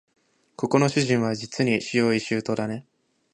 ここの主人はじつに用意周到だね